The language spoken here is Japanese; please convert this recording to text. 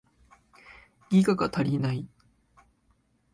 ギガが足りない